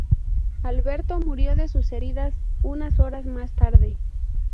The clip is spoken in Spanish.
Alberto murió de sus heridas unas horas más tarde.